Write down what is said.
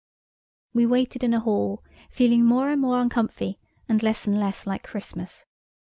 We waited in a hall, feeling more and more uncomfy, and less and less like Christmas.